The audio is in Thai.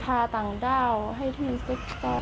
พาตังค์ด้าวให้ที่มีสิทธิ์